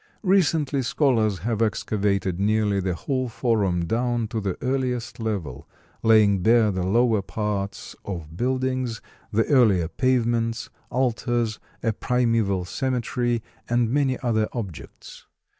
Recently scholars have excavated nearly the whole Forum down to the earliest level, laying bare the lower parts of buildings, the earlier pavements, altars, a primeval cemetery, and many other objects.